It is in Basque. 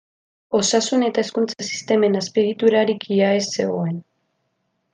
Osasun- eta hezkuntza-sistemen azpiegiturarik ia ez zegoen.